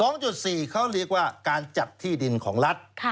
เขาเรียกว่าการจัดที่ดินของรัฐ